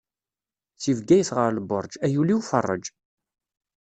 Si Bgayet ɣer Lberǧ, ay ul-iw ferreǧ!